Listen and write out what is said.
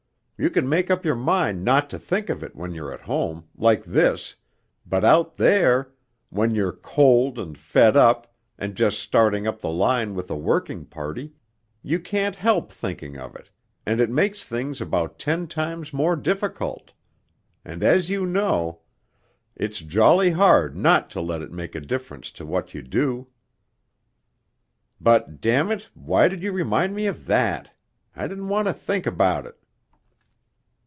You can make up your mind not to think of it when you're at home ... like this ... but out there, when you're cold and fed up, and just starting up the line with a working party ... you can't help thinking of it, and it makes things about ten times more difficult ... and as you know, it's jolly hard not to let it make a difference to what you do.... But, damn it, why did you remind me of that? I didn't want to think about it.'